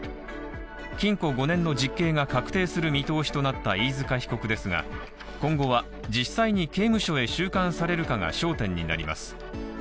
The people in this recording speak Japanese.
禁錮５年の実刑が確定する見通しとなった飯塚被告ですが今後は実際に刑務所へ収監されるかが焦点になります